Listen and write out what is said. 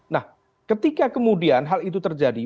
nah ketika kemudian hal itu terjadi